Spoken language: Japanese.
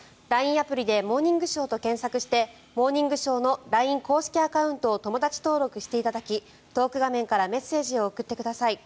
アプリで「モーニングショー」と検索をして「モーニングショー」のＬＩＮＥ公式アカウントを友だち登録していただきトーク画面からメッセージを送ってください。